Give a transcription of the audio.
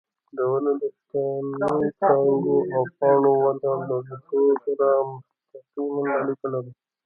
د ونو د تنې، څانګو او پاڼو وده له ریښو سره مستقیمه اړیکه لري.